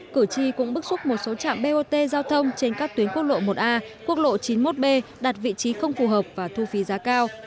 cử tri cũng bức xúc một số trạm bot giao thông trên các tuyến quốc lộ một a quốc lộ chín mươi một b đặt vị trí không phù hợp và thu phí giá cao